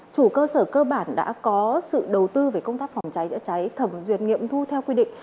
chủ cơ sở cơ bản đã có sự đầu tư về công tác phòng cháy chữa cháy thẩm duyệt nghiệm thu theo quy định